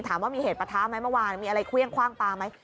ถามว่ามีเหตุประทะไหมเมื่อวานมีอะไรเครื่องคว่างปลาไหม